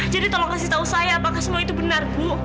jadi tolong kasih tau saya apakah semua itu benar bu